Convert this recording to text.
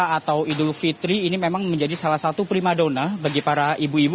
atau idul fitri ini memang menjadi salah satu prima dona bagi para ibu ibu